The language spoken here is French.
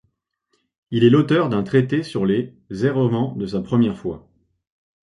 Il est l'auteur d'un traité sur les errements de sa première foi.